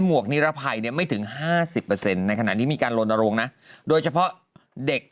วกนิรภัยเนี่ยไม่ถึง๕๐ในขณะนี้มีการลนโรงนะโดยเฉพาะเด็ก